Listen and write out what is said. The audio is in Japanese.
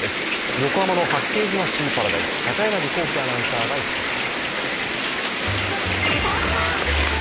横浜の八景島シーパラダイス、高柳光希アナウンサーが行きました。